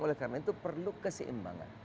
oleh karena itu perlu keseimbangan